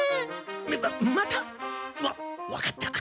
また？わわかった。